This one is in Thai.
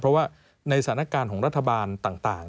เพราะว่าในสถานการณ์ของรัฐบาลต่าง